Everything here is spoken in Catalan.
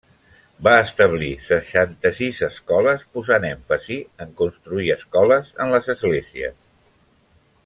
Va establir seixanta-sis escoles, posant èmfasi en construir escoles en les esglésies.